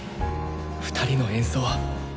２人の演奏。